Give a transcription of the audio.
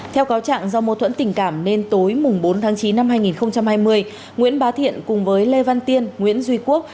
theo cáo trạng do mô thuẫn tình cảm nên tối bốn tháng chín năm hai nghìn hai mươi nguyễn bá thiện cùng với lê văn tiên nguyễn duy quốc